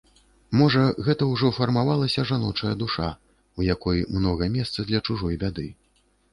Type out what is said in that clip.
Можа гэта ўжо фармавалася жаночая душа, у якой многа месца для чужой бяды.